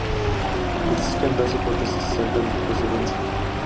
Existen dos hipótesis acerca de su procedencia.